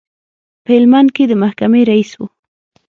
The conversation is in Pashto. په هلمند کې د محکمې رئیس و.